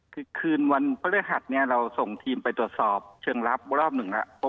คือคืนวันพฤหัสเนี่ยเราส่งทีมไปตรวจสอบเชิงลับรอบหนึ่งแล้ว